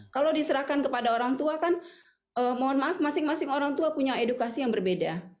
kalau diserahkan kepada orang tua kan mohon maaf masing masing orang tua punya edukasi yang berbeda